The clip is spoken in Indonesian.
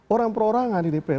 orang per orang di dpr